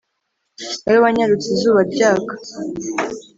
wowe wanyarutse izuba ryaka